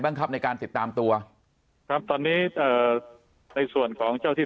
ครับในการติดตามตัวครับตอนนี้เอ่อในส่วนของเจ้าที่